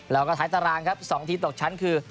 แล้วก็ท้ายตารางครับ๒ทีตกชั้นคือ